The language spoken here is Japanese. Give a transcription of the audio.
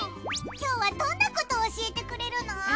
今日はどんなことを教えてくれるの？